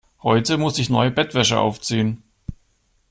Heute muss ich neue Bettwäsche aufziehen.